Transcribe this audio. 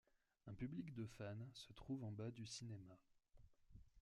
Un public de fans se trouve en bas du cinéma.